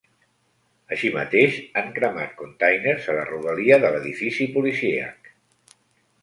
Així mateix, han cremat containers a la rodalia de l’edifici policíac.